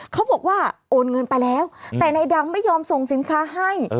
เขาบอกว่าโอนเงินไปแล้วแต่นายดังไม่ยอมส่งสินค้าให้